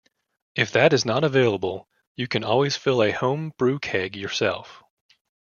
If that is not available, you can always fill a home brew keg yourself.